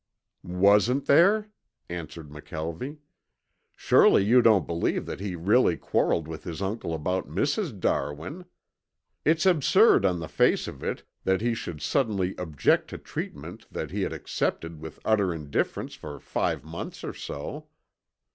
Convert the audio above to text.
"Wasn't there?" answered McKelvie. "Surely you don't believe that he really quarreled with his uncle about Mrs. Darwin? It's absurd on the face of it, that he should suddenly object to treatment that he had accepted with utter indifference for five months or so.